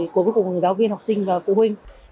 của các giáo viên học sinh và phụ huynh